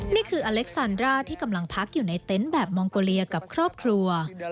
นี่คืออเล็กซานร่าที่กำลังพักอยู่ในเต็นต์แบบมองโกเลียกับครอบครัว